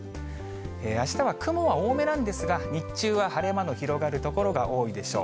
あしたは雲は多めなんですが、日中は晴れ間の広がる所が多いでしょう。